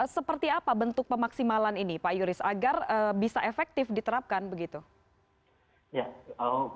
seperti apa bentuk pemaksimalan ini pak yuris agar bisa efektif diterapkan begitu